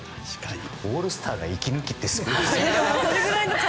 オールスターが息抜きってすごいですよね。